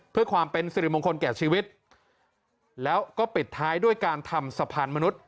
เพื่อความเป็นสิริมงคลแก่ชีวิตแล้วก็ปิดท้ายด้วยการทำสะพานมนุษย